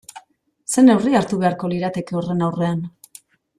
Zer neurri hartu beharko lirateke horren aurrean?